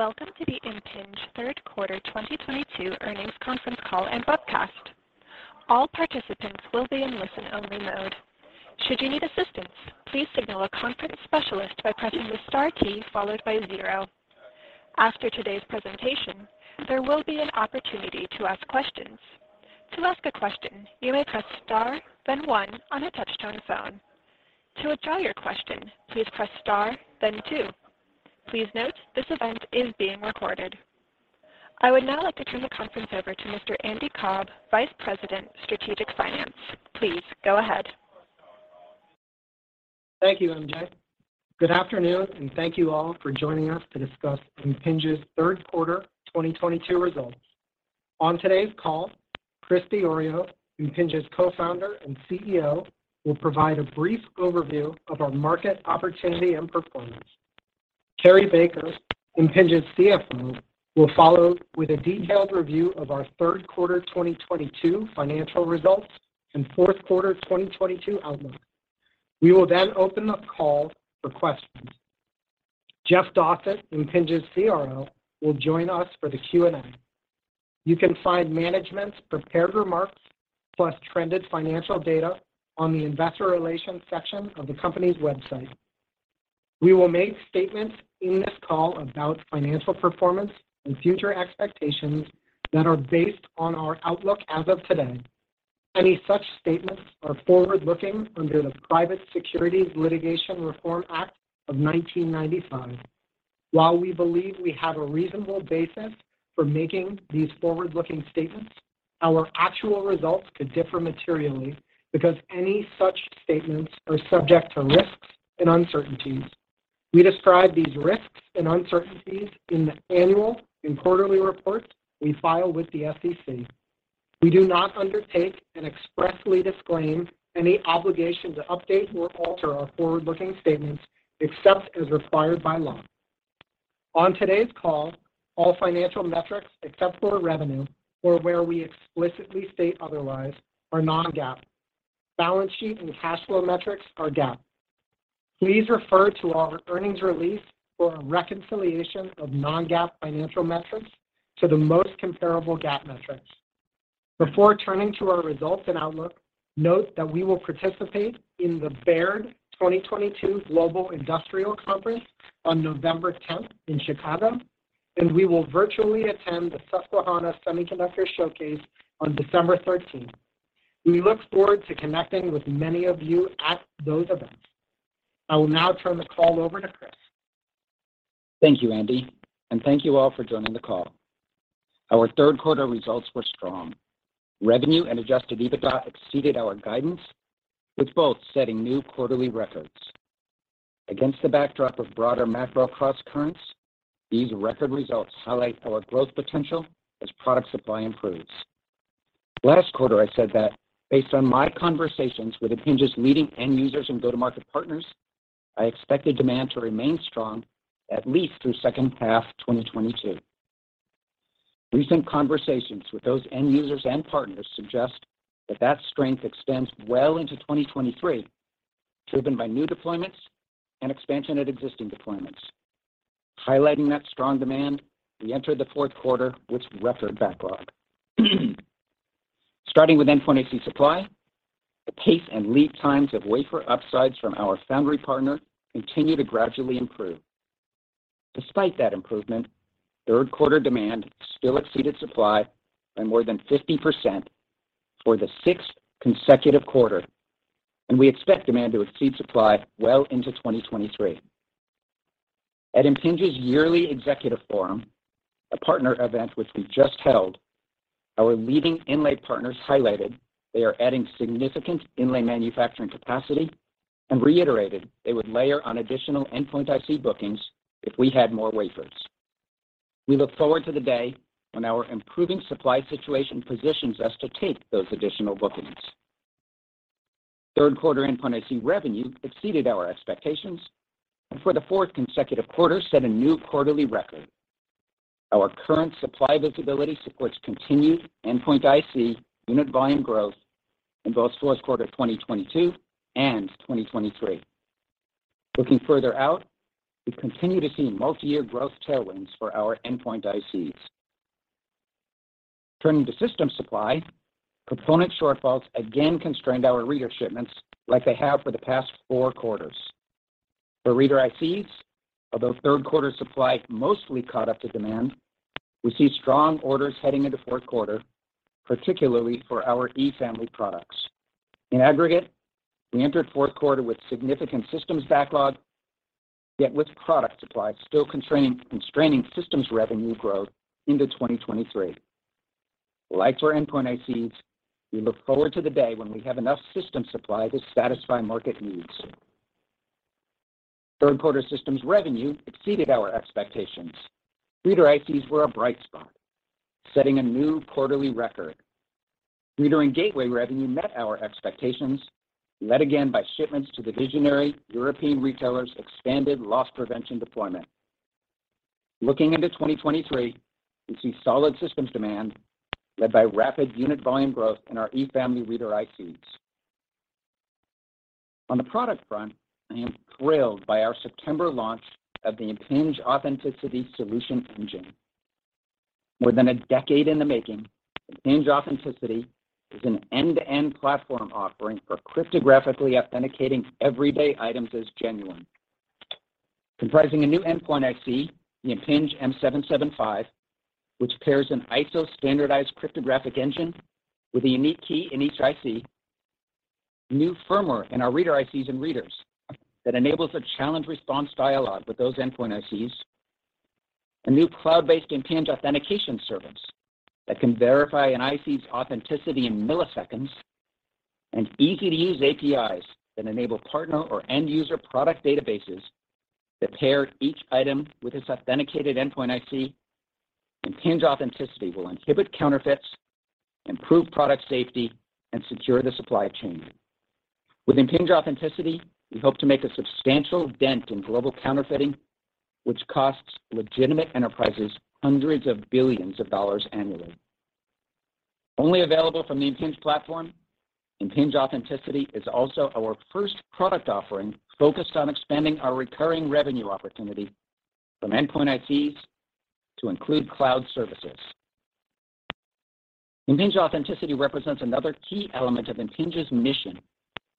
Welcome to the Impinj third quarter 2022 earnings conference call and webcast. All participants will be in listen-only mode. Should you need assistance, please signal a conference specialist by pressing the star key followed by zero. After today's presentation, there will be an opportunity to ask questions. To ask a question, you may press Star, then one on a touch-tone phone. To withdraw your question, please press Star, then two. Please note, this event is being recorded. I would now like to turn the conference over to Mr. Andy Cobb, Vice President, Strategic Finance. Please go ahead. Thank you, MJ. Good afternoon, and thank you all for joining us to discuss Impinj's third quarter 2022 results. On today's call, Chris Diorio, Impinj's Co-founder and CEO, will provide a brief overview of our market opportunity and performance. Cary Baker, Impinj's CFO, will follow with a detailed review of our third quarter 2022 financial results and fourth quarter 2022 outlook. We will then open the call for questions. Jeff Dossett, Impinj's CRO, will join us for the Q&A. You can find management's prepared remarks plus trended financial data on the investor relations section of the company's website. We will make statements in this call about financial performance and future expectations that are based on our outlook as of today. Any such statements are forward-looking under the Private Securities Litigation Reform Act of 1995. While we believe we have a reasonable basis for making these forward-looking statements, our actual results could differ materially, because any such statements are subject to risks and uncertainties. We describe these risks and uncertainties in the annual and quarterly reports we file with the SEC. We do not undertake and expressly disclaim any obligation to update or alter our forward-looking statements except as required by law. On today's call, all financial metrics, except for revenue or where we explicitly state otherwise, are non-GAAP. Balance sheet and cash flow metrics are GAAP. Please refer to our earnings release for a reconciliation of non-GAAP financial metrics to the most comparable GAAP metrics. Before turning to our results and outlook, note that we will participate in the Baird 2022 Global Industrial Conference on November 10th in Chicago, and we will virtually attend the Susquehanna Technology Conference on December 13th. We look forward to connecting with many of you at those events. I will now turn the call over to Chris. Thank you, Andy, and thank you all for joining the call. Our third quarter results were strong. Revenue and Adjusted EBITDA exceeded our guidance, with both setting new quarterly records. Against the backdrop of broader macro crosscurrents, these record results highlight our growth potential as product supply improves. Last quarter, I said that based on my conversations with Impinj's leading end users and go-to-market partners, I expected demand to remain strong at least through second half 2022. Recent conversations with those end users and partners suggest that that strength extends well into 2023, driven by new deployments and expansion at existing deployments. Highlighting that strong demand, we enter the fourth quarter with record backlog. Starting with Endpoint IC supply, the pace and lead times of wafer upsides from our foundry partner continue to gradually improve. Despite that improvement, third quarter demand still exceeded supply by more than 50% for the six consecutive quarter, and we expect demand to exceed supply well into 2023. At Impinj's yearly executive forum, a partner event which we just held, our leading inlay partners highlighted they are adding significant inlay manufacturing capacity and reiterated they would layer on additional Endpoint IC bookings if we had more wafers. We look forward to the day when our improving supply situation positions us to take those additional bookings. Third quarter Endpoint IC revenue exceeded our expectations, and for the four consecutive quarter set a new quarterly record. Our current supply visibility supports continued Endpoint IC unit volume growth in both fourth quarter 2022 and 2023. Looking further out, we continue to see multi-year growth tailwinds for our Endpoint ICs. Turning to systems supply, component shortfalls again constrained our reader shipments like they have for the past four quarters. For reader ICs, although third quarter supply mostly caught up to demand, we see strong orders heading into fourth quarter, particularly for our E family products. In aggregate, we entered fourth quarter with significant systems backlog, yet with product supply still constraining systems revenue growth into 2023. Like for Endpoint ICs, we look forward to the day when we have enough system supply to satisfy market needs. Third quarter systems revenue exceeded our expectations. Reader ICs were a bright spot, setting a new quarterly record. Reader and gateway revenue met our expectations, led again by shipments to the visionary European retailer's expanded loss prevention deployment. Looking into 2023, we see solid systems demand led by rapid unit volume growth in our E family reader ICs. On the product front, I am thrilled by our September launch of the Impinj Authenticity solution engine. More than a decade in the making, Impinj Authenticity is an end-to-end platform offering for cryptographically authenticating everyday items as genuine. Comprising a new endpoint IC, the Impinj M775, which pairs an ISO-standardized cryptographic engine with a unique key in each IC, new firmware in our reader ICs and readers that enables a challenge response dialogue with those endpoint ICs, a new cloud-based Impinj Authentication Service that can verify an IC's authenticity in milliseconds, and easy-to-use APIs that enable partner or end user product databases that pair each item with its authenticated endpoint IC. Impinj Authenticity will inhibit counterfeits, improve product safety, and secure the supply chain. With Impinj Authenticity, we hope to make a substantial dent in global counterfeiting, which costs legitimate enterprises hundreds of billions of dollars annually. Only available from the Impinj platform, Impinj Authenticity is also our first product offering focused on expanding our recurring revenue opportunity from endpoint ICs to include cloud services. Impinj Authenticity represents another key element of Impinj's mission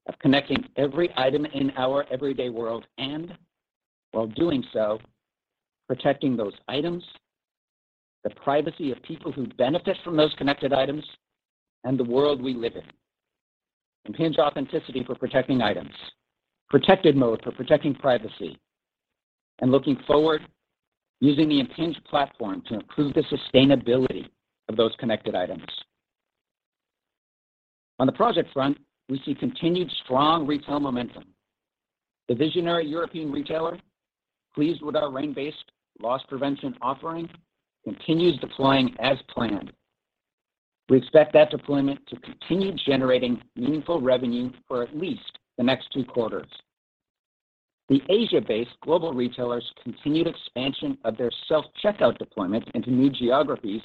of connecting every item in our everyday world, and while doing so, protecting those items, the privacy of people who benefit from those connected items, and the world we live in. Impinj Authenticity for protecting items, Protected Mode for protecting privacy, and looking forward, using the Impinj platform to improve the sustainability of those connected items. On the project front, we see continued strong retail momentum. The visionary European retailer, pleased with our RAIN-based loss prevention offering, continues deploying as planned. We expect that deployment to continue generating meaningful revenue for at least the next two quarters. The Asia-based global retailers continuing expansion of their self-checkout deployment into new geographies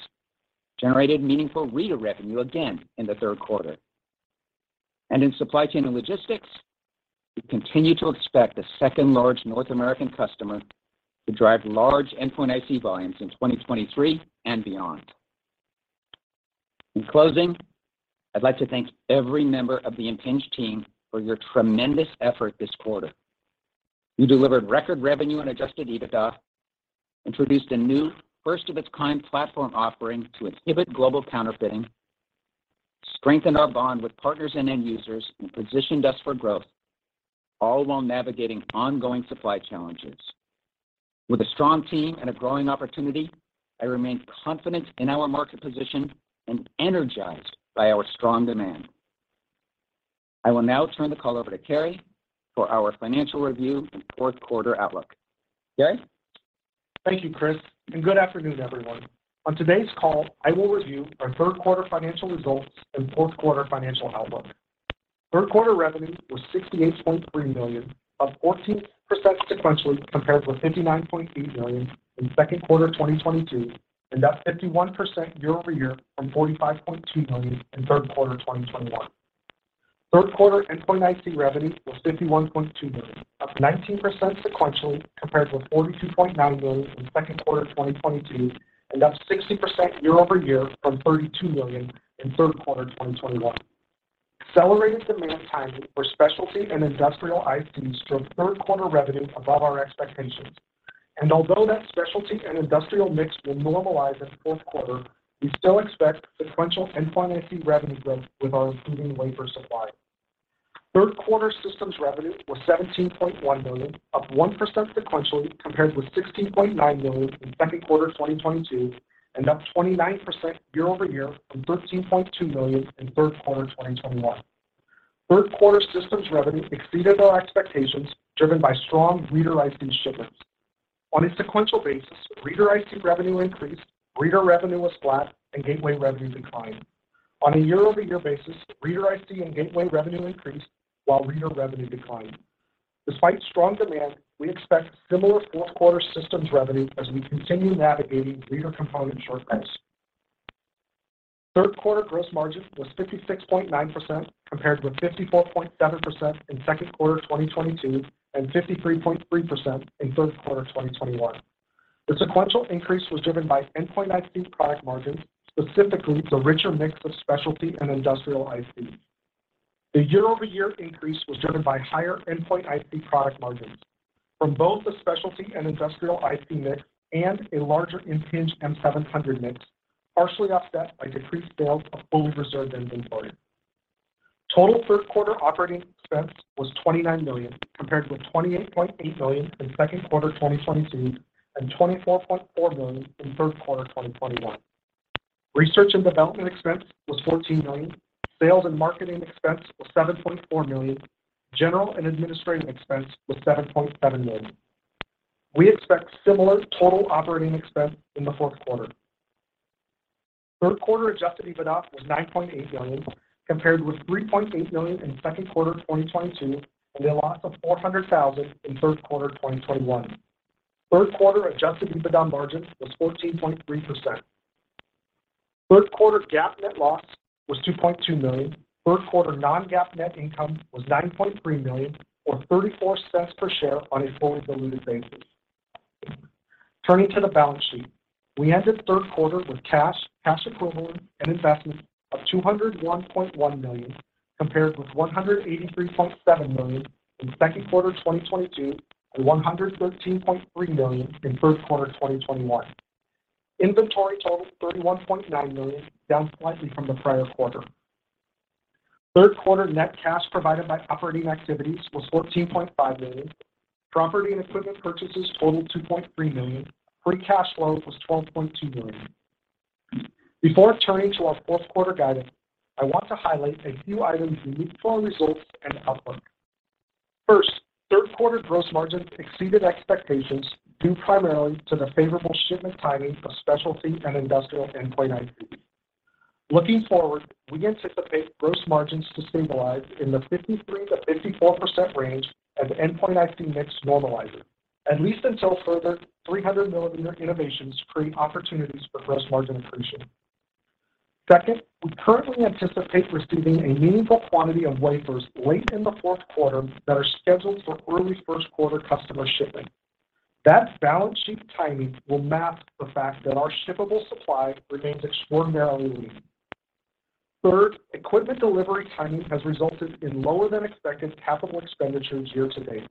generated meaningful reader revenue again in the third quarter. In supply chain and logistics, we continue to expect a second large North American customer to drive large Endpoint IC volumes in 2023 and beyond. In closing, I'd like to thank every member of the Impinj team for your tremendous effort this quarter. You delivered record revenue and Adjusted EBITDA, introduced a new first of its kind platform offering to inhibit global counterfeiting, strengthened our bond with partners and end users, and positioned us for growth, all while navigating ongoing supply challenges. With a strong team and a growing opportunity, I remain confident in our market position and energized by our strong demand. I will now turn the call over to Cary for our financial review and fourth quarter outlook. Cary? Thank you, Chris, and good afternoon, everyone. On today's call, I will review our third quarter financial results and fourth quarter financial outlook. Third quarter revenue was $68.3 million, up 14% sequentially compared with $59.8 million in second quarter of 2022, and up 51% year over year from $45.2 million in third quarter of 2021. Third quarter Endpoint IC revenue was $51.2 million, up 19% sequentially compared with $42.9 million in second quarter of 2022, and up 60% year over year from $32 million in third quarter of 2021. Accelerated demand timing for specialty and industrial ICs drove third quarter revenue above our expectations. Although that specialty and industrial mix will normalize in fourth quarter, we still expect sequential Endpoint IC revenue growth with our improving wafer supply. Third quarter systems revenue was $17.1 million, up 1% sequentially compared with $16.9 million in second quarter of 2022, and up 29% year-over-year from $13.2 million in third quarter of 2021. Third quarter systems revenue exceeded our expectations, driven by strong reader IC shipments. On a sequential basis, reader IC revenue increased, reader revenue was flat, and gateway revenue declined. On a year-over-year basis, reader IC and gateway revenue increased while reader revenue declined. Despite strong demand, we expect similar fourth quarter systems revenue as we continue navigating reader component shortfalls. Third quarter gross margin was 56.9%, compared with 54.7% in second quarter of 2022, and 53.3% in third quarter of 2021. The sequential increase was driven by Endpoint IC product margins, specifically the richer mix of specialty and industrial IC. The year-over-year increase was driven by higher Endpoint IC product margins from both the specialty and industrial IC mix and a larger Impinj M700 mix, partially offset by decreased sales of fully reserved inventory. Total third quarter operating expense was $29 million, compared with $28.8 million in second quarter of 2022 and $24.4 million in third quarter of 2021. Research and development expense was $14 million. Sales and marketing expense was $7.4 million. General and administrative expense was $7.7 million. We expect similar total operating expense in the fourth quarter. Third quarter adjusted EBITDA was $9.8 million, compared with $3.8 million in second quarter of 2022, and a loss of $400,000 in third quarter of 2021. Third quarter adjusted EBITDA margin was 14.3%. Third quarter GAAP net loss was $2.2 million. Third quarter non-GAAP net income was $9.3 million or $0.34 per share on a fully diluted basis. Turning to the balance sheet. We ended third quarter with cash equivalents, and investments of $201.1 million, compared with $183.7 million in second quarter 2022, and $113.3 million in third quarter 2021. Inventory totaled $31.9 million, down slightly from the prior quarter. Third quarter net cash provided by operating activities was $14.5 million. Property and equipment purchases totaled $2.3 million. Free cash flow was $12.2 million. Before turning to our fourth quarter guidance, I want to highlight a few items unique to our results and outlook. First, third quarter gross margins exceeded expectations due primarily to the favorable shipment timing of specialty and industrial Endpoint IC. Looking forward, we anticipate gross margins to stabilize in the 53%-54% range as Endpoint IC mix normalizes, at least until further 300mm innovations create opportunities for gross margin accretion. Second, we currently anticipate receiving a meaningful quantity of wafers late in the fourth quarter that are scheduled for early first quarter customer shipping. That balance sheet timing will mask the fact that our shippable supply remains extraordinarily weak. Third, equipment delivery timing has resulted in lower than expected capital expenditures year to date.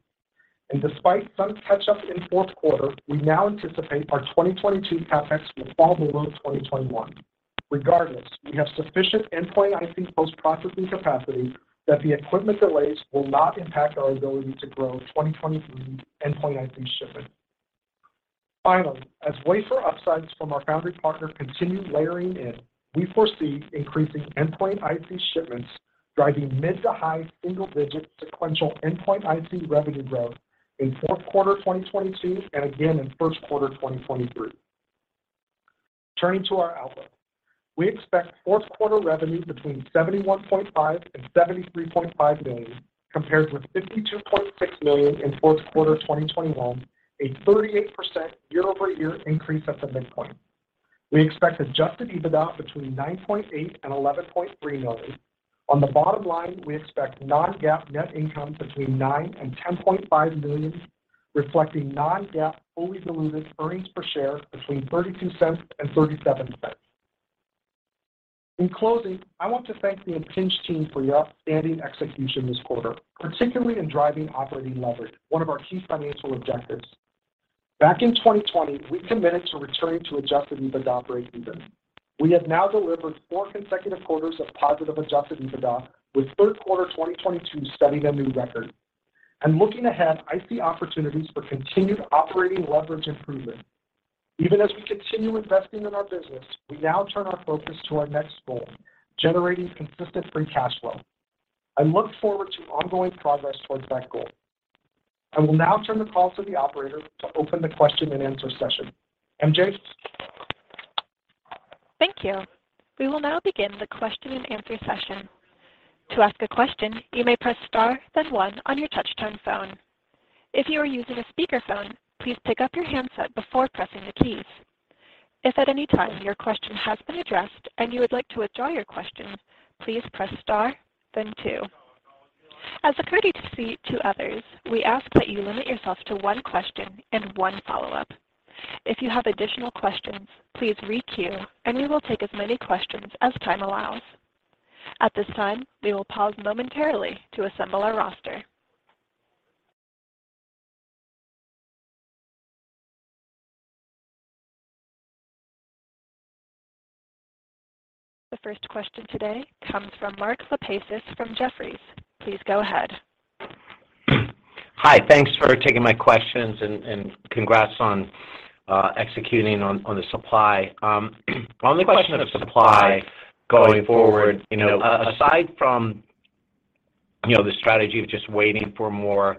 Despite some catch up in fourth quarter, we now anticipate our 2022 CapEx will fall below 2021. Regardless, we have sufficient Endpoint IC post-processing capacity that the equipment delays will not impact our ability to grow 2023 Endpoint IC shipments. Finally, as wafer upsides from our foundry partner continue layering in, we foresee increasing Endpoint IC shipments, driving mid to high single-digit sequential Endpoint IC revenue growth in fourth quarter 2022 and again in first quarter 2023. Turning to our outlook. We expect fourth quarter revenue between $71.5 million and $73.5 million, compared with $52.6 million in fourth quarter 2021, a 38% year-over-year increase at the midpoint. We expect Adjusted EBITDA between $9.8 million and $11.3 million. On the bottom line, we expect non-GAAP net income between $9 million and $10.5 million, reflecting non-GAAP fully diluted earnings per share between $0.32 and $0.37. In closing, I want to thank the Impinj team for your outstanding execution this quarter, particularly in driving operating leverage, one of our key financial objectives. Back in 2020, we committed to returning to Adjusted EBITDA break-even. We have now delivered four consecutive quarters of positive Adjusted EBITDA, with third quarter 2022 setting a new record. Looking ahead, I see opportunities for continued operating leverage improvement. Even as we continue investing in our business, we now turn our focus to our next goal, generating consistent free cash flow. I look forward to ongoing progress towards that goal. I will now turn the call to the operator to open the question-and-answer session. MJ? Thank you. We will now begin the question-and-answer session. To ask a question, you may press star then one on your touch-tone phone. If you are using a speakerphone, please pick up your handset before pressing the keys. If at any time your question has been addressed and you would like to withdraw your question, please press star then two. As a courtesy to others, we ask that you limit yourself to one question and one follow-up. If you have additional questions, please re-queue, and we will take as many questions as time allows. At this time, we will pause momentarily to assemble our roster. The first question today comes from Mark Lipacis from Jefferies. Please go ahead. Hi. Thanks for taking my questions and congrats on executing on the supply. On the question of supply going forward, you know, aside from the strategy of just waiting for more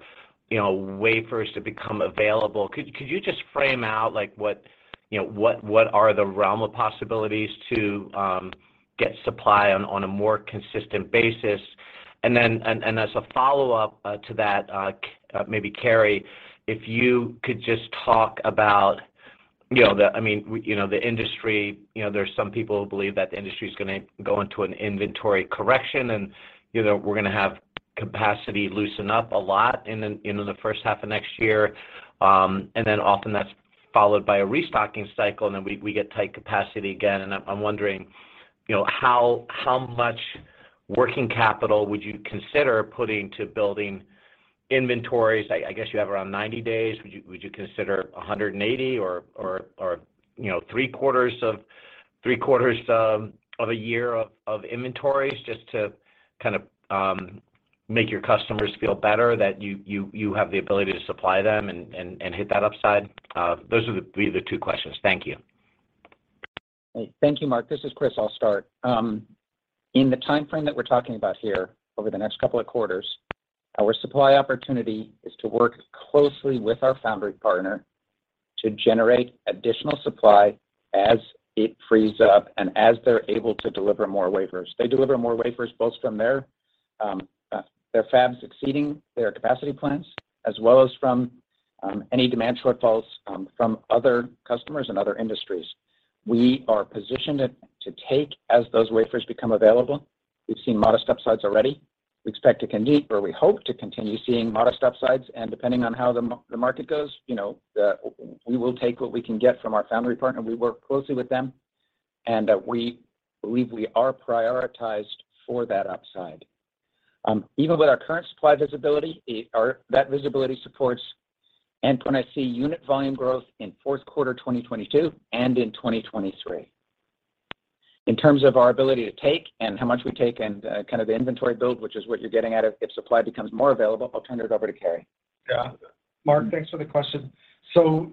wafers to become available, could you just frame out, like, what are the realm of possibilities to get supply on a more consistent basis? As a follow-up to that, maybe Cary, if you could just talk about, I mean, the industry. You know, there's some people who believe that the industry is gonna go into an inventory correction, and we're gonna have capacity loosen up a lot in the first half of next year. Often that's followed by a restocking cycle, and we get tight capacity again. I'm wondering, you know, how much working capital would you consider putting to building inventories? I guess you have around 90 days. Would you consider 180 or, you know, three quarters of a year of inventories just to kind of make your customers feel better that you have the ability to supply them and hit that upside? Those are the two questions. Thank you. Thank you, Mark. This is Chris, I'll start. In the timeframe that we're talking about here, over the next couple of quarters, our supply opportunity is to work closely with our foundry partner to generate additional supply as it frees up and as they're able to deliver more wafers. They deliver more wafers both from their Their fabs exceeding their capacity plans, as well as from any demand shortfalls from other customers and other industries. We are positioned to take as those wafers become available. We've seen modest upsides already. We expect or we hope to continue seeing modest upsides, and depending on how the market goes, you know, we will take what we can get from our foundry partner. We work closely with them, and we believe we are prioritized for that upside. Even with our current supply visibility, or that visibility supports Endpoint IC unit volume growth in fourth quarter 2022 and in 2023. In terms of our ability to take and how much we take and kind of the inventory build, which is what you're getting at, if supply becomes more available, I'll turn it over to Cary. Yeah. Mark, thanks for the question.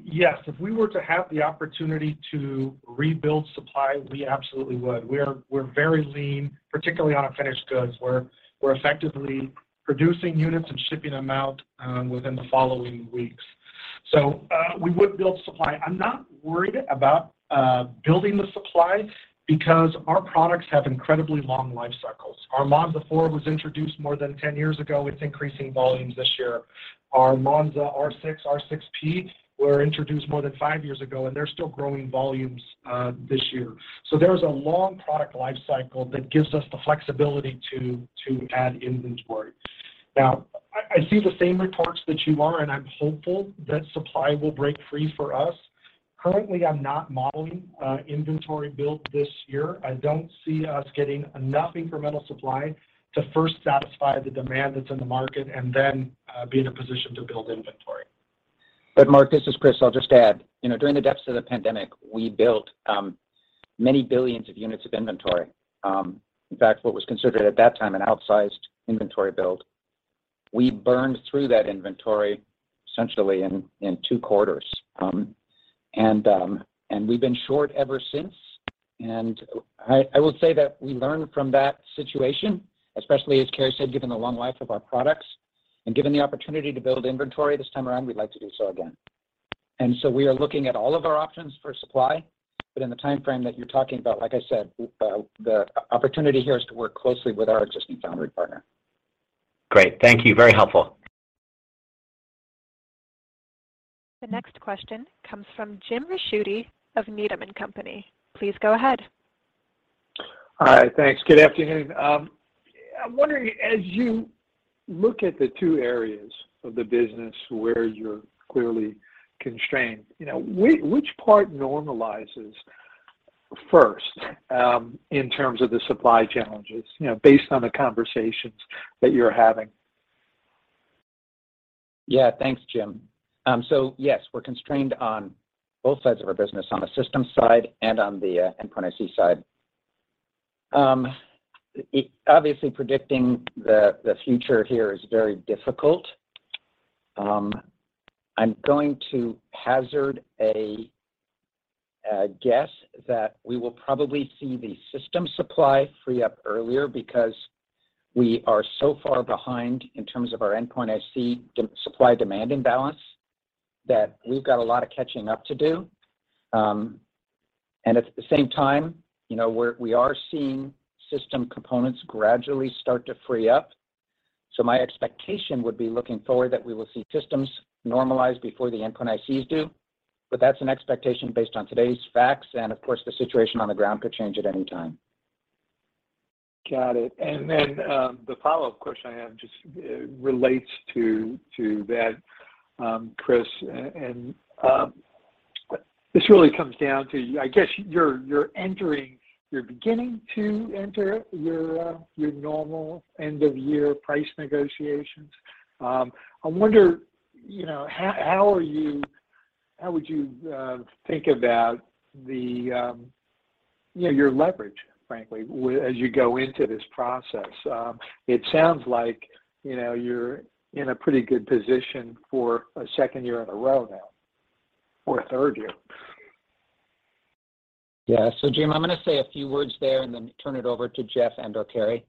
Yes, if we were to have the opportunity to rebuild supply, we absolutely would. We're very lean, particularly on our finished goods. We're effectively producing units and shipping them out within the following weeks. We would build supply. I'm not worried about building the supply because our products have incredibly long life cycles. Our Monza 4 was introduced more than 10 years ago, it's increasing volumes this year. Our Monza R6, R6P were introduced more than five years ago, and they're still growing volumes this year. There is a long product life cycle that gives us the flexibility to add inventory. Now, I see the same reports that you are, and I'm hopeful that supply will break free for us. Currently, I'm not modeling inventory build this year. I don't see us getting enough incremental supply to first satisfy the demand that's in the market and then be in a position to build inventory. Mark, this is Chris. I'll just add, you know, during the depths of the pandemic, we built many billions of units of inventory. In fact, what was considered at that time an outsized inventory build. We burned through that inventory essentially in two quarters. We've been short ever since, and I will say that we learned from that situation, especially as Cary said, given the long life of our products, and given the opportunity to build inventory this time around, we'd like to do so again. We are looking at all of our options for supply, but in the timeframe that you're talking about, like I said, the opportunity here is to work closely with our existing foundry partner. Great. Thank you. Very helpful. The next question comes from Jim Ricchiuti of Needham & Company. Please go ahead. All right. Thanks. Good afternoon. I'm wondering, as you look at the two areas of the business where you're clearly constrained, you know, which part normalizes first, in terms of the supply challenges, you know, based on the conversations that you're having? Yeah. Thanks, Jim. Yes, we're constrained on both sides of our business, on the systems side and on the Endpoint IC side. Obviously predicting the future here is very difficult. I'm going to hazard a guess that we will probably see the systems supply free up earlier because we are so far behind in terms of our Endpoint IC supply demand imbalance that we've got a lot of catching up to do. At the same time, you know, we are seeing system components gradually start to free up. My expectation would be looking forward that we will see systems normalize before the Endpoint ICs do. That's an expectation based on today's facts, and of course, the situation on the ground could change at any time. Got it. The follow-up question I have just relates to that, Chris, and this really comes down to, I guess, you're beginning to enter your normal end-of-year price negotiations. I wonder, you know, how would you think about the, you know, your leverage, frankly, as you go into this process? It sounds like, you know, you're in a pretty good position for a second year in a row now, or a third year. Yeah. Jim, I'm gonna say a few words there and then turn it over to Jeff and/or Cary.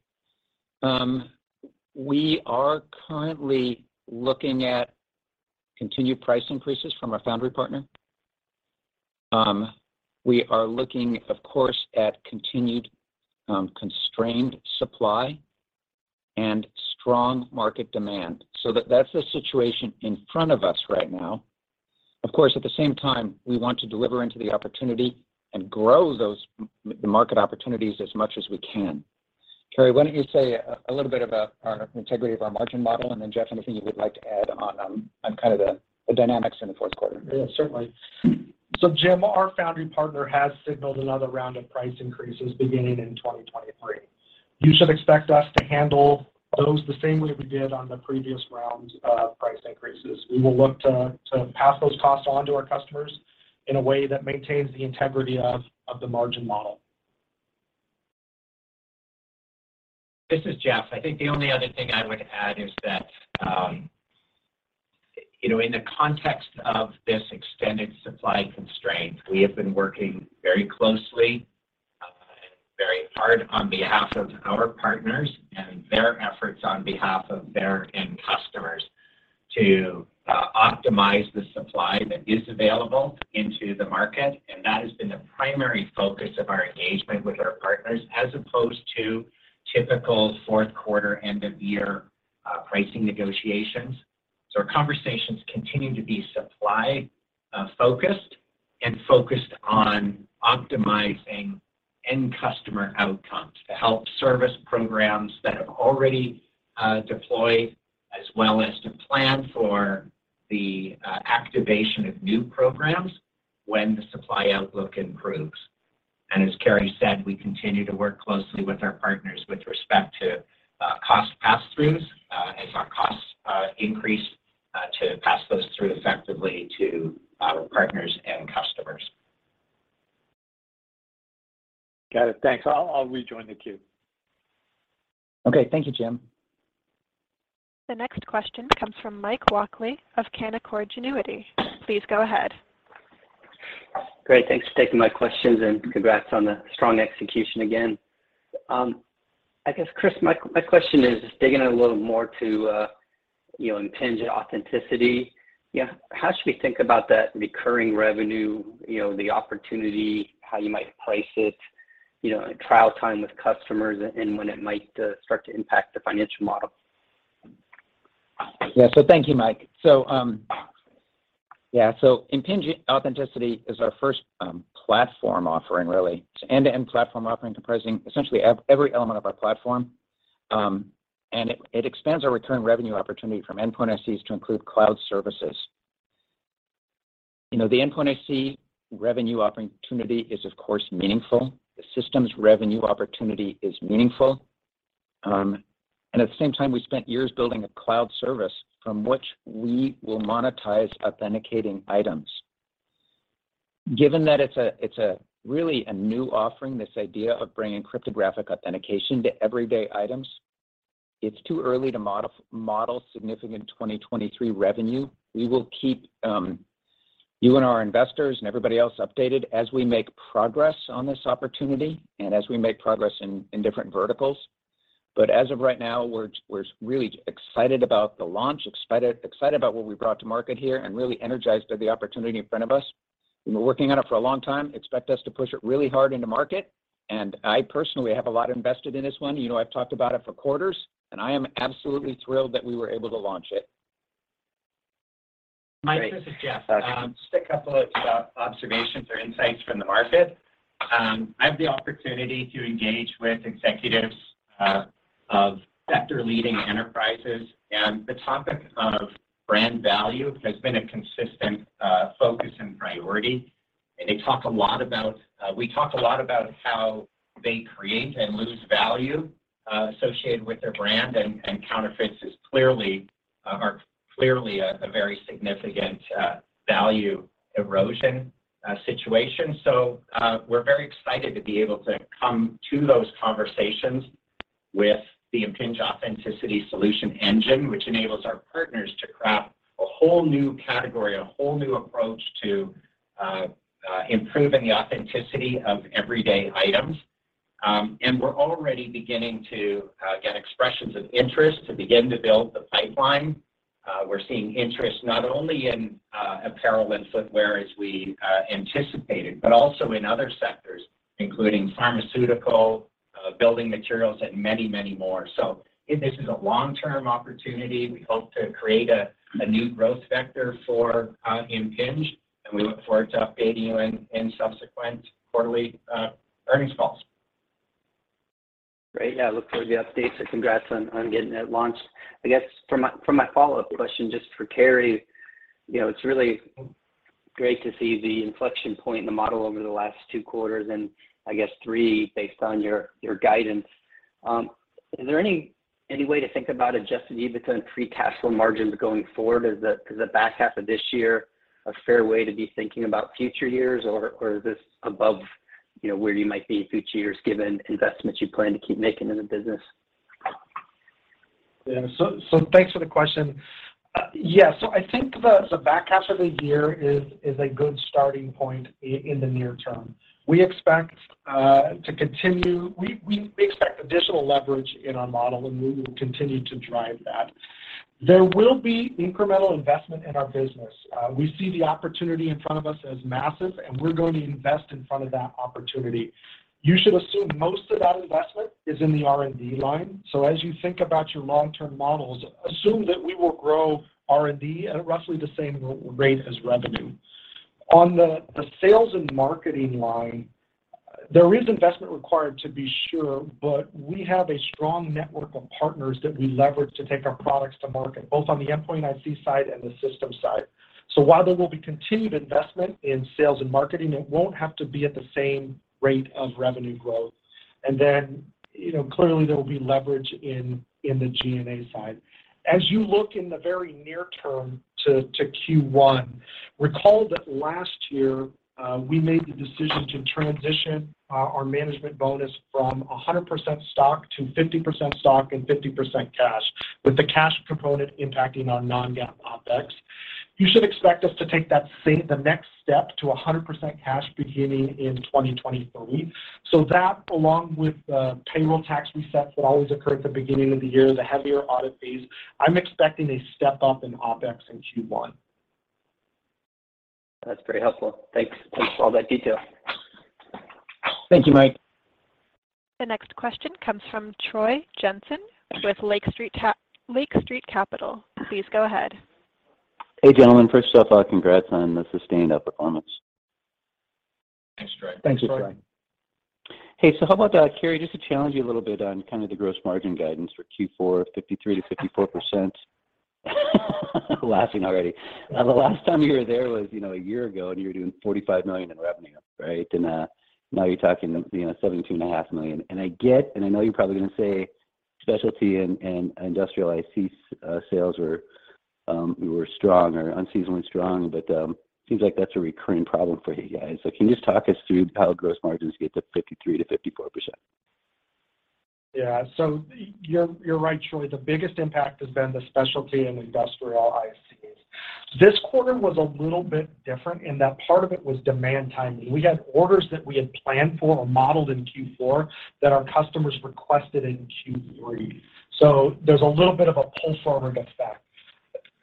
We are currently looking at continued price increases from our foundry partner. We are looking, of course, at continued, constrained supply and strong market demand. That's the situation in front of us right now. Of course, at the same time, we want to deliver into the opportunity and grow those market opportunities as much as we can. Cary, why don't you say a little bit about our integrity of our margin model, and then Jeff, anything you would like to add on kind of the dynamics in the fourth quarter. Yeah, certainly. Jim, our foundry partner has signaled another round of price increases beginning in 2023. You should expect us to handle those the same way we did on the previous round of price increases. We will look to pass those costs on to our customers in a way that maintains the integrity of the margin model. This is Jeff. I think the only other thing I would add is that, you know, in the context of this extended supply constraint, we have been working very closely, and very hard on behalf of our partners and their efforts on behalf of their end customers. To optimize the supply that is available into the market, and that has been the primary focus of our engagement with our partners as opposed to typical fourth quarter, end of year, pricing negotiations. Our conversations continue to be supply focused and focused on optimizing end customer outcomes to help service programs that have already deployed as well as to plan for the activation of new programs when the supply outlook improves. As Cary said, we continue to work closely with our partners with respect to cost passthroughs as our costs increase to pass those through effectively to our partners and customers. Got it. Thanks. I'll rejoin the queue. Okay. Thank you, Jim. The next question comes from Mike Walkley of Canaccord Genuity. Please go ahead. Great. Thanks for taking my questions, and congrats on the strong execution again. I guess, Chris, my question is just digging a little more to, you know, Impinj Authenticity. Yeah. How should we think about that recurring revenue, you know, the opportunity, how you might place it, you know, in trial time with customers and when it might start to impact the financial model? Thank you, Mike. Impinj Authenticity is our first platform offering, really. It's end-to-end platform offering comprising essentially every element of our platform, and it expands our total revenue opportunity from Endpoint ICs to include cloud services. You know, the Endpoint IC revenue opportunity is, of course, meaningful. The systems revenue opportunity is meaningful. At the same time, we spent years building a cloud service from which we will monetize authenticating items. Given that it's really a new offering, this idea of bringing cryptographic authentication to everyday items, it's too early to model significant 2023 revenue. We will keep you and our investors and everybody else updated as we make progress on this opportunity and as we make progress in different verticals. As of right now, we're really excited about the launch, excited about what we brought to market here, and really energized by the opportunity in front of us. We've been working on it for a long time. Expect us to push it really hard into market, and I personally have a lot invested in this one. You know, I've talked about it for quarters, and I am absolutely thrilled that we were able to launch it. Mike, this is Jeff. Just a couple of observations or insights from the market. I have the opportunity to engage with executives of sector-leading enterprises, and the topic of brand value has been a consistent focus and priority. We talk a lot about how they create and lose value associated with their brand, and counterfeits are clearly a very significant value erosion situation. We're very excited to be able to come to those conversations with the Impinj Authenticity solution engine, which enables our partners to craft a whole new category, a whole new approach to improving the authenticity of everyday items. We're already beginning to get expressions of interest to begin to build the pipeline. We're seeing interest not only in apparel and footwear as we anticipated, but also in other sectors, including pharmaceutical, building materials, and many, many more. This is a long-term opportunity. We hope to create a new growth vector for Impinj, and we look forward to updating you in subsequent quarterly earnings calls. Great. Yeah. Look forward to the updates and congrats on getting it launched. I guess from my follow-up question, just for Cary, you know, it's really great to see the inflection point in the model over the last two quarters and I guess three based on your guidance. Is there any way to think about Adjusted EBITDA and free cash flow margins going forward? Is the back half of this year a fair way to be thinking about future years, or is this above, you know, where you might be in future years given investments you plan to keep making in the business? Yeah. Thanks for the question. I think the back half of the year is a good starting point in the near term. We expect additional leverage in our model, and we will continue to drive that. There will be incremental investment in our business. We see the opportunity in front of us as massive, and we're going to invest in front of that opportunity. You should assume most of that investment is in the R&D line. As you think about your long-term models, assume that we will grow R&D at roughly the same rate as revenue. On the sales and marketing line, there is investment required to be sure, but we have a strong network of partners that we leverage to take our products to market, both on the Endpoint IC side and the system side. While there will be continued investment in sales and marketing, it won't have to be at the same rate of revenue growth. You know, clearly, there will be leverage in the G&A side. As you look in the very near term to Q1, recall that last year we made the decision to transition our management bonus from 100% stock to 50% stock and 50% cash, with the cash component impacting our non-GAAP OpEx. You should expect us to take that the next step to 100% cash beginning in 2023. That, along with the payroll tax resets that always occur at the beginning of the year, the heavier audit fees, I'm expecting a step-up in OpEx in Q1. That's very helpful. Thanks. Thanks for all that detail. Thank you, Mike. The next question comes from Troy Jensen with Lake Street Capital. Please go ahead. Hey, gentlemen. First off, congrats on the sustained outperformance. Thanks, Troy. Thank you, Troy. Hey, how about, Cary, just to challenge you a little bit on kind of the gross margin guidance for Q4, 53%-54%. Laughing already. The last time you were there was, you know, a year ago, and you were doing $45 million in revenue, right? Now you're talking, you know, $72.5 million. I get, and I know you're probably gonna say specialty and industrial IC sales were strong or unseasonably strong, but seems like that's a recurring problem for you guys. Can you just talk us through how gross margins get to 53%-54%? Yeah. You're right, Troy. The biggest impact has been the specialty in industrial ICs. This quarter was a little bit different in that part of it was demand timing. We had orders that we had planned for or modeled in Q4 that our customers requested in Q3. There's a little bit of a pull-forward effect.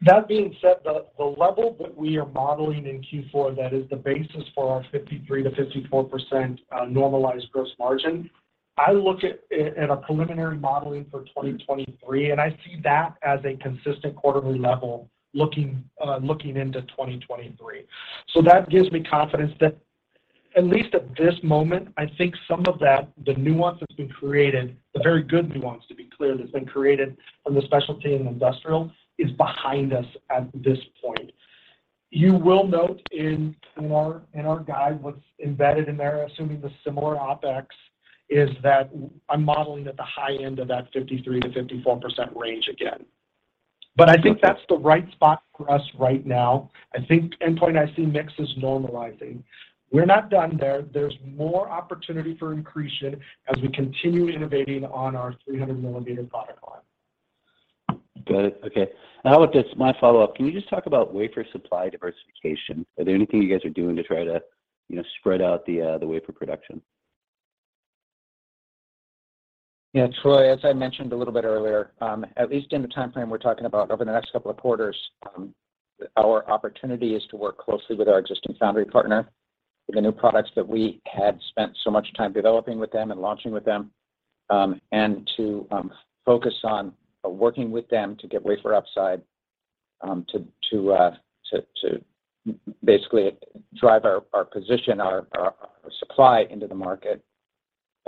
That being said, the level that we are modeling in Q4, that is the basis for our 53%-54% normalized gross margin. I look at a preliminary modeling for 2023, and I see that as a consistent quarterly level looking into 2023. That gives me confidence that at least at this moment, I think some of that, the nuance that's been created, the very good nuance to be clear, that's been created on the specialty and industrial is behind us at this point. You will note in our guide, what's embedded in there, assuming the similar OpEx, is that I'm modeling at the high end of that 53%-54% range again. I think that's the right spot for us right now. I think Endpoint IC mix is normalizing. We're not done there. There's more opportunity for accretion as we continue innovating on our 300mm product line. Got it. Okay. Now with this, my follow-up, can you just talk about wafer supply diversification? Are there anything you guys are doing to try to, you know, spread out the wafer production? Yeah, Troy, as I mentioned a little bit earlier, at least in the timeframe we're talking about over the next couple of quarters, our opportunity is to work closely with our existing foundry partner for the new products that we had spent so much time developing with them and launching with them, and to focus on working with them to get wafer upside, to basically drive our position, our supply into the market.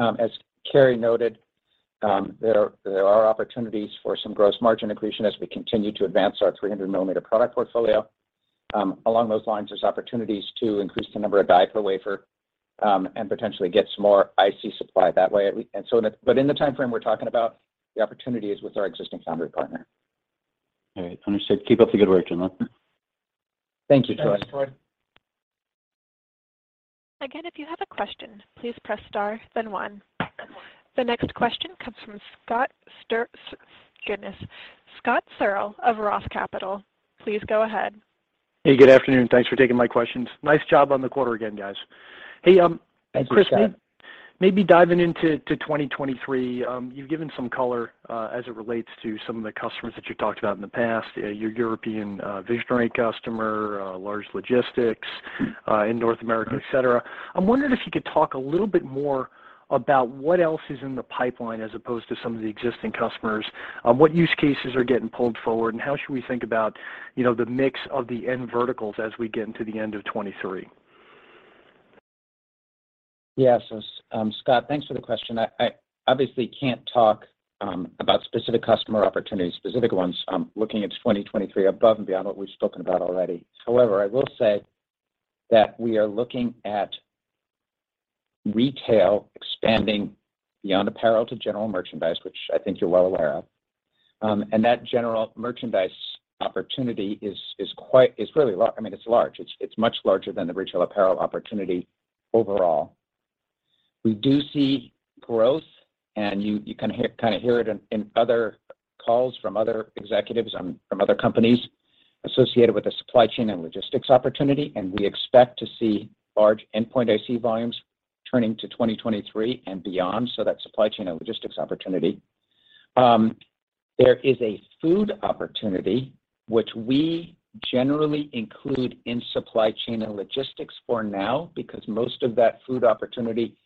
As Cary noted, there are opportunities for some gross margin accretion as we continue to advance our 300mm product portfolio. Along those lines, there's opportunities to increase the number of die per wafer, and potentially get some more IC supply that way. In the timeframe we're talking about the opportunities with our existing foundry partner. All right. Understood. Keep up the good work, gentlemen. Thank you, Troy. Thanks, Troy. Again, if you have a question, please press star then one. The next question comes from Scott Searle of ROTH Capital, please go ahead. Hey, good afternoon. Thanks for taking my questions. Nice job on the quarter again, guys. Thanks, Scott. Chris, maybe diving into 2023, you've given some color as it relates to some of the customers that you talked about in the past, your European visionary customer, large logistics in North America, etc. I'm wondering if you could talk a little bit more about what else is in the pipeline as opposed to some of the existing customers. What use cases are getting pulled forward, and how should we think about, you know, the mix of the end verticals as we get into the end of 2023? Yes. Scott, thanks for the question. I obviously can't talk about specific customer opportunities, specific ones looking at 2023 above and beyond what we've spoken about already. However, I will say that we are looking at retail expanding beyond apparel to general merchandise, which I think you're well aware of. That general merchandise opportunity is really large. I mean, it's large. It's much larger than the retail apparel opportunity overall. We do see growth, and you can kind of hear it in other calls from other executives from other companies associated with the supply chain and logistics opportunity, and we expect to see large Endpoint IC volumes turning to 2023 and beyond, so that supply chain and logistics opportunity. There is a food opportunity which we generally include in supply chain and logistics for now because most of that food opportunity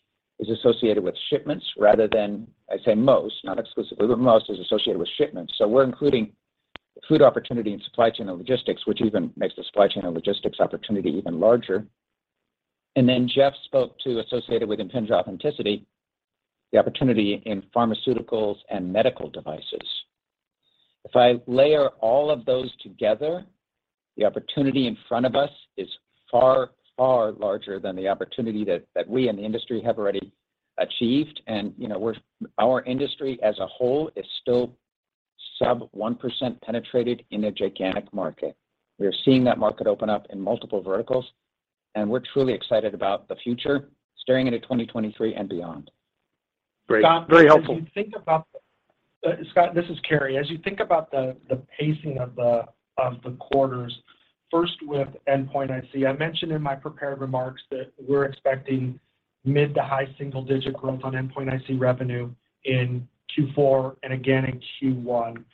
is associated with shipments rather than. I say most, not exclusively, but most is associated with shipments. We're including food opportunity in supply chain and logistics, which even makes the supply chain and logistics opportunity even larger. Jeff spoke to associated with Impinj Authenticity, the opportunity in pharmaceuticals and medical devices. If I layer all of those together, the opportunity in front of us is far, far larger than the opportunity that we in the industry have already achieved. You know, our industry as a whole is still sub 1% penetrated in a gigantic market. We are seeing that market open up in multiple verticals, and we're truly excited about the future staring into 2023 and beyond. Great. Very helpful. Scott, this is Cary. As you think about the pacing of the quarters, first with Endpoint IC, I mentioned in my prepared remarks that we're expecting mid to high single-digit growth on Endpoint IC revenue in Q4 and again in Q1.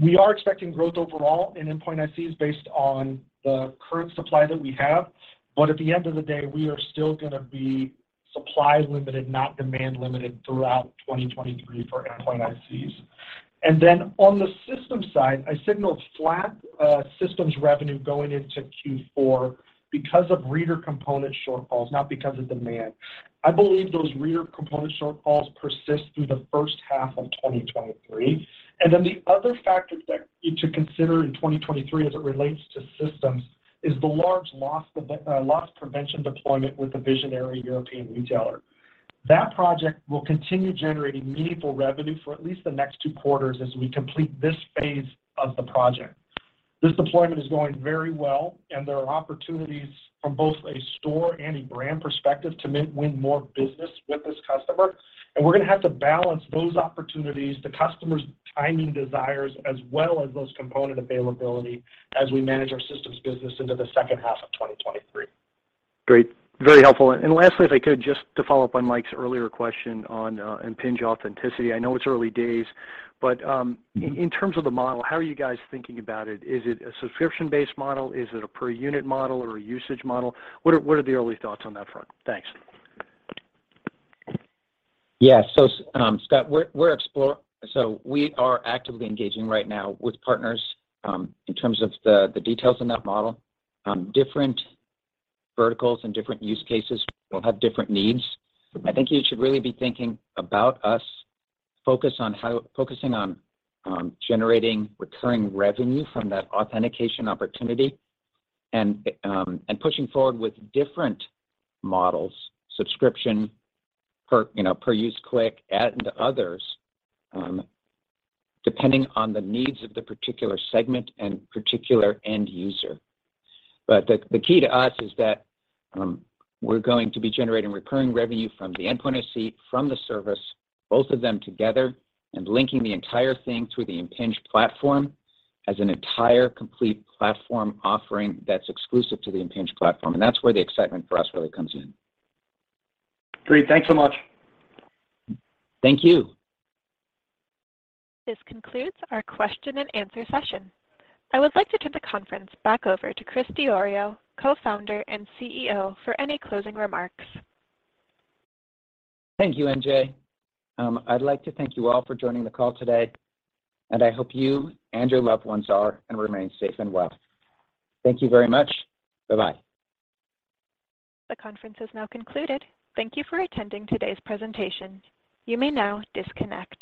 We are expecting growth overall in Endpoint ICs based on the current supply that we have, but at the end of the day, we are still gonna be supply limited, not demand limited throughout 2023 for Endpoint ICs. On the systems side, I signaled flat systems revenue going into Q4 because of reader component shortfalls, not because of demand. I believe those reader component shortfalls persist through the first half of 2023. The other factor that you should consider in 2023 as it relates to systems is the large loss prevention deployment with the visionary European retailer. That project will continue generating meaningful revenue for at least the next two quarters as we complete this phase of the project. This deployment is going very well, and there are opportunities from both a store and a brand perspective to win more business with this customer, and we're gonna have to balance those opportunities, the customer's timing desires, as well as those component availability as we manage our systems business into the second half of 2023. Great. Very helpful. Lastly, if I could, just to follow up on Mike's earlier question on Impinj Authenticity. I know it's early days, but in terms of the model, how are you guys thinking about it? Is it a subscription-based model? Is it a per unit model or a usage model? What are the early thoughts on that front? Thanks. Scott, we are actively engaging right now with partners in terms of the details in that model. Different verticals and different use cases will have different needs. I think you should really be thinking about us focusing on generating recurring revenue from that authentication opportunity and pushing forward with different models, subscription, per, you know, per-use click, and others depending on the needs of the particular segment and particular end user. The key to us is that we're going to be generating recurring revenue from the Endpoint IC, from the service, both of them together, and linking the entire thing to the Impinj platform as an entire complete platform offering that's exclusive to the Impinj platform, and that's where the excitement for us really comes in. Great. Thanks so much. Thank you. This concludes our question-and-answer session. I would like to turn the conference back over to Chris Diorio, Co-founder and CEO, for any closing remarks. Thank you, MJ. I'd like to thank you all for joining the call today, and I hope you and your loved ones are and remain safe and well. Thank you very much. Bye-bye. The conference is now concluded. Thank you for attending today's presentation. You may now disconnect.